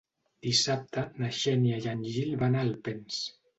Dissabte na Xènia i en Gil van a Alpens.